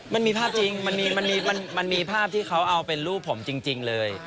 มันมีภาพจริงมันมีภาพที่เขาเอาเป็นรูปผมจริงเลย